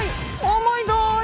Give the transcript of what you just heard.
重いぞい。